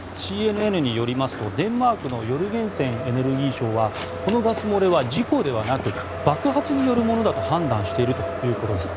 ＣＮＮによりますとデンマークのヨルゲンセンエネルギー相はこのガス漏れは事故ではなく爆発によるものだと判断しているということです。